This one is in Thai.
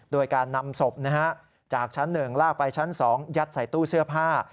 โดยการนำศพจากชั้น๑ลากไปชั้น๒ยัดใส่ตู้เสื้อผ้า